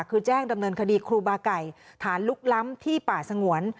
คือแจ้งดำเนินคดีครูบาไก่ฐานลุกล้ำที่ป่าสงวน